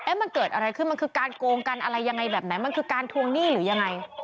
มันเกิดอะไรขึ้นมันคือการโกงกันอะไรยังไงแบบไหนมันคือการทวงหนี้หรือยังไง